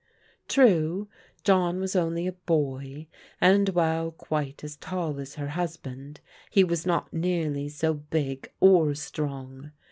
True, John was only a boy, and while quite as tall as her husband, he was not nearly so big, or strong.